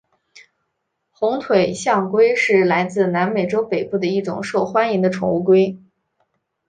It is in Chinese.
红腿象龟是来自南美洲北部的一种受欢迎的宠物龟。